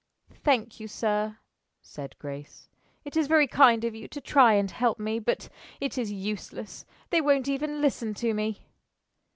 "Thank you, sir," said Grace. "It is very kind of you to try and help me, but it is useless. They won't even listen to me."